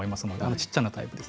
小さなタイプです。